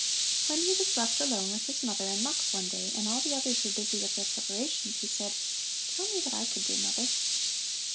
When he was left alone with his mother and Mux one day, and all the others were busy with their preparations, he said: "Tell me what I could do, mother."